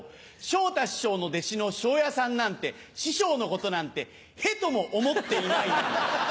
昇太師匠の弟子の昇也さんなんて師匠のことなんて屁とも思っていないのに。